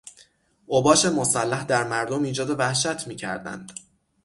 اوباش مسلح در مردم ایجاد وحشت میکردند.